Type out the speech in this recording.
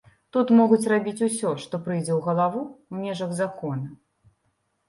Тут могуць рабіць усё, што прыйдзе ў галаву ў межах закона.